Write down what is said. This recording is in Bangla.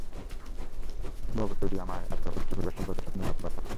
বগতজি আমি এতো উচ্চ পরিবার সম্পর্কে স্বপ্নেও ভাবতে পারবো না।